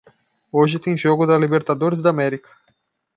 Hoje tem jogo da Libertadores da América.